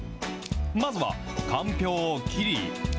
まずは、かんぴょうを切り。